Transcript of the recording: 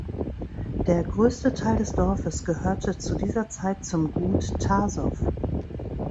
Der größte Teil des Dorfes gehörte zu dieser Zeit zum Gut Tasov.